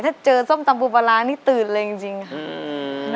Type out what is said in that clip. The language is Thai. ถ้าเจอส้มตำปูปลาร้านี่ตื่นเลยจริงค่ะ